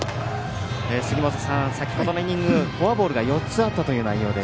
杉本さん、先ほどのイニングフォアボールが４つあったという内容で。